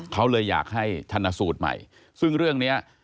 เขาเลยอยากให้ชันสูตรใหม่ซึ่งเรื่องนี้